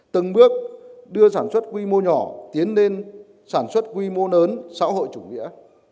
từng bước đưa sản xuất quy mô nhỏ tiến lên sản xuất quy mô lớn xã hội chủ nghĩa